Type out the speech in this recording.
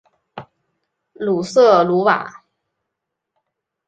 鲁瑟卢瓦。